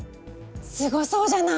すごそうじゃない。